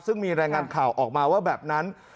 ซึ่งมีรายงานข่าวออกมาว่าแบบนั้น